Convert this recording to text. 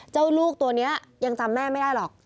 เจ้าลูกตัวนี้ยังจำแม่ไม่ได้หรอก